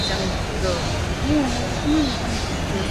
如果我寫核突嘢會唔會比人和諧